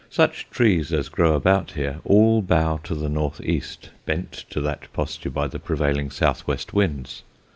Such trees as grow about here all bow to the north east, bent to that posture by the prevailing south west winds.